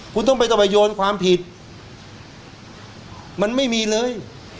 คุณต้องไปต้องไปโยนความผิดมันไม่มีเลย